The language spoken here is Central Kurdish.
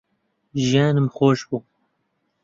ژیانم خۆش بوو